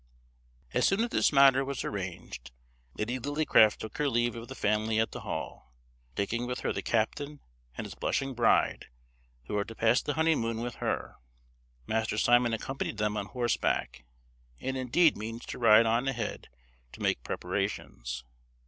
As soon as this matter was arranged, Lady Lillycraft took her leave of the family at the Hall; taking with her the captain and his blushing bride, who are to pass the honeymoon with her. Master Simon accompanied them on horseback, and indeed means to ride on ahead to make preparations.